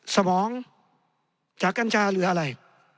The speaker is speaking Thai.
สมองจากกัญชาหรืออะไร